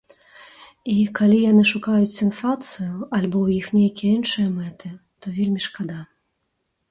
І калі яны шукаюць сенсацыю, альбо ў іх нейкія іншыя мэты, то вельмі шкада.